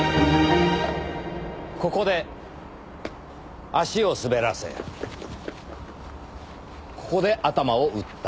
ここで足を滑らせここで頭を打った。